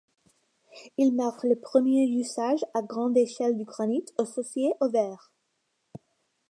Il marque le premier usage à grande échelle du granite associé au verre.